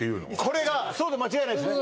これがそうで間違いないですね？